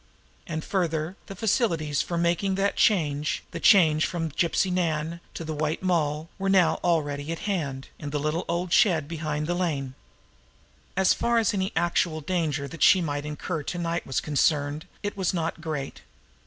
And, further, the facilities for making that change, the change from Gypsy Nan to the White Moll, were now already at hand in the little old shed down the lane. And as far as any actual danger that she might incur to night was concerned, it was not great.